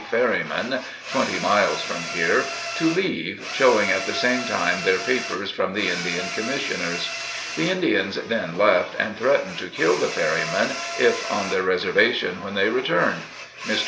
ferrymen, twenty miles from here, to leave, showing at the same time their papers from the Indian Commissioners. The Indians then left, and threatened to kill the ferrymen if on their reservation when they returned. Mr.